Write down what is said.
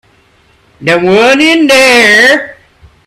The one in there.